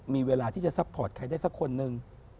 มีเวลาที่จะซัพพอร์ตใครได้สักคนนึง